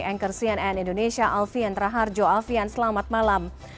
anchor cnn indonesia alfian raharjo alfian selamat malam